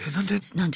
何で？